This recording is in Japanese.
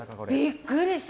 びっくりした。